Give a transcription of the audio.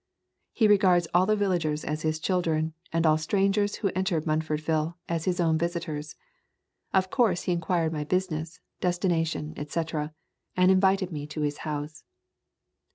He regards all the vil lagers as his children, and all strangers who en ter Munfordville as his own visitors. Of course he inquired my business, destination, et cetera, and invited me to his house.